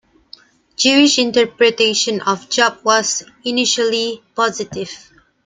Jewish interpretation of Job was initially positive.